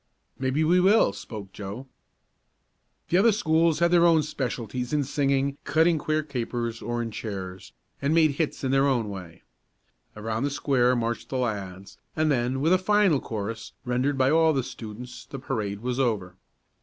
"Maybe we will," spoke Joe. The other schools had their own specialties in singing, cutting queer capers, or in cheers, and made hits in their own way. Around the square marched the lads, and then, with a final chorus, rendered by all the students, the parade was over.